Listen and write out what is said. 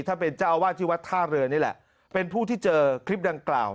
ท่านเป็นเจ้าอาวาสที่วัดท่าเรือนี่แหละเป็นผู้ที่เจอคลิปดังกล่าว